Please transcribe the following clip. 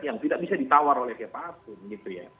yang tidak bisa ditawar oleh siapapun